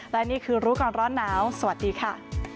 และนี่คือรู้ก่อนร้อนหนาวสวัสดีค่ะ